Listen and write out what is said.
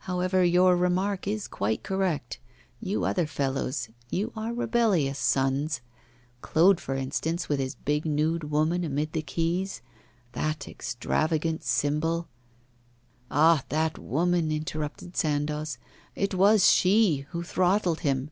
However, your remark is quite correct; you other fellows, you are rebellious sons. Claude, for instance, with his big nude woman amid the quays, that extravagant symbol ' 'Ah, that woman!' interrupted Sandoz, 'it was she who throttled him!